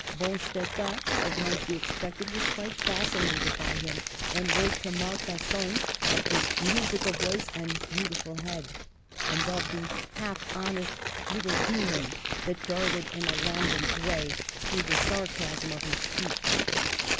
Bonstetten, as might be expected, was quite fascinated by him, and wrote to Malthasson of his musical voice and beautiful head ; and of the " half honest little demon " that darted in a lambent way through the sarcasm of his speech.